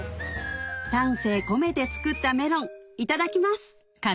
丹精込めて作ったメロンいただきます